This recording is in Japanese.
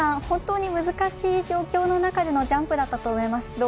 本当に難しい状況の中でのジャンプだったと思います。